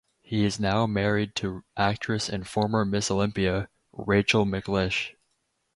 He is now married to actress and former Ms. Olympia, Rachel McLish.